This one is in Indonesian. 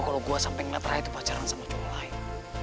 kalo gue sampe ngenet raya tuh pacaran sama cowok lain